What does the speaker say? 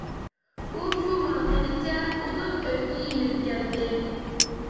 ئۇ شۇ ماڭغىنىچە ئۇدۇل ئۆيىگە يېنىپ كەلدى.